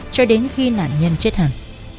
cho đến khi nạn nhân chết hẳn